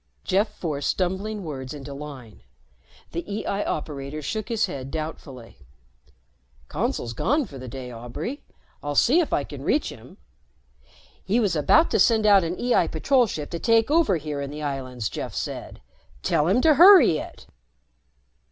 Jeff forced stumbling words into line. The EI operator shook his head doubtfully. "Consul's gone for the day, Aubray. I'll see if I can reach him." "He was about to send out an EI patrol ship to take over here in the islands," Jeff said. "Tell him to hurry it!"